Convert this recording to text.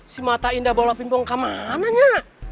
si mata indah bola pimpong kemana nya